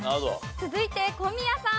続いて小宮さん。